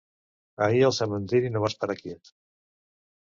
Ahir al cementiri no vas parar quiet.